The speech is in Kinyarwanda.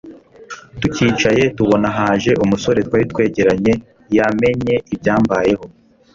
tucyicaye tubona haje umusore twari twegeranye yamenye ibyambayeho